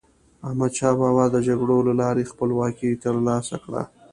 احمدشاه بابا د جګړو له لارې خپلواکي تر لاسه کړه.